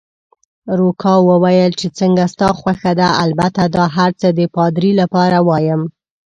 روکا وویل: چې څنګه ستا خوښه ده، البته دا هرڅه د پادري لپاره وایم.